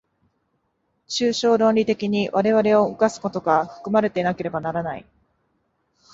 抽象論理的に我々を動かすことが含まれていなければならない。